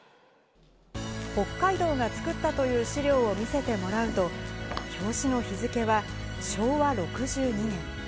北海道が作ったという資料を見せてもらうと、表紙の日付は昭和６２年。